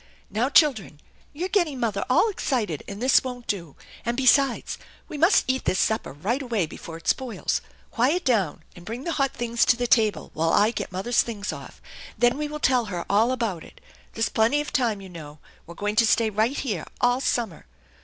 "Now, children, you're getting mother all excited, and this won't do. And, besides, we must eat this supper right away before it spoils. Quiet down, and bring the hot things to the table while I get mother's things off. Then we will tell her all about it. There's plenty of time, you know. We're going to stay right here all summer."